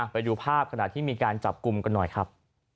ไปดูภาพขณะที่มีการจับกลุ่มกันหน่อยครับ